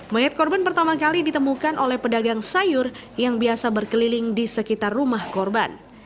mayat korban pertama kali ditemukan oleh pedagang sayur yang biasa berkeliling di sekitar rumah korban